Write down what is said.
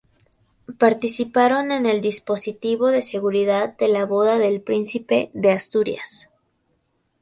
Participaron en el dispositivo de seguridad de la boda del Príncipe de Asturias.